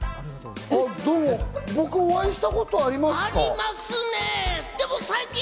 僕、お会いしたことありますか？